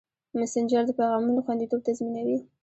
مسېنجر د پیغامونو خوندیتوب تضمینوي.